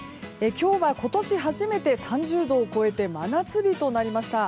今日は今年初めて３０度を超えて真夏日となりました。